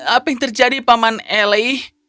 apa yang terjadi paman eli